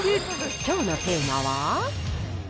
きょうのテーマは。